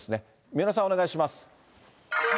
三浦さん、お願いします。